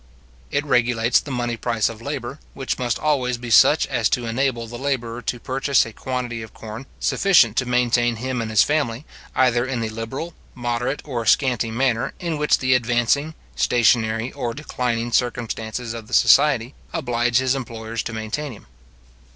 It regulates the money price of labour, which must always be such as to enable the labourer to purchase a quantity of corn sufficient to maintain him and his family, either in the liberal, moderate, or scanty manner, in which the advancing, stationary, or declining, circumstances of the society, oblige his employers to maintain him.